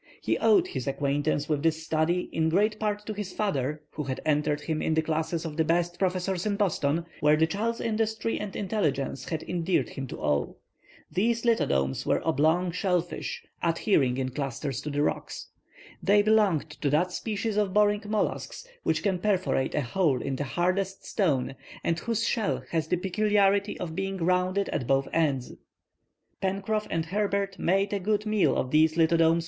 He owed his acquaintance with this study in great part to his father, who had entered him in the classes of the best professors in Boston, where the child's industry and intelligence had endeared him to all. These lithodomes were oblong shell fish, adhering in clusters to the rocks. They belonged to that species of boring mollusk which can perforate a hole in the hardest stone, and whose shell has the peculiarity of being rounded at both ends. Pencroff and Herbert made a good meal of these lithodomes.